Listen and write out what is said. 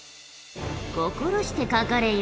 心してかかれよ。